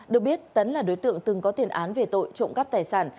được biết tấn là đối tượng từng có tiền án về tội trộm cắp tài sản